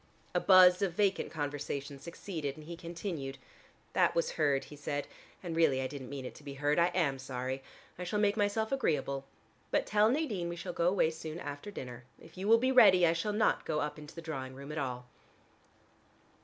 A buzz of vacant conversation succeeded, and he continued. "That was heard," he said, "and really I didn't mean it to be heard. I am sorry. I shall make myself agreeable. But tell Nadine we shall go away soon after dinner. If you will be ready, I shall not go up into the drawing room at all."